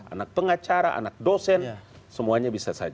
anak pengacara anak dosen semuanya bisa saja